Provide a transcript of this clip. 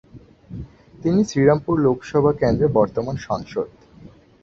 তিনি শ্রীরামপুর লোকসভা কেন্দ্রের বর্তমান সাংসদ।